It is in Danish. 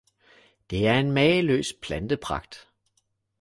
Det er en mageløs plantepragt